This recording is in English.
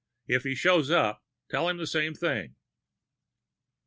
If he shows up, tell him the same thing."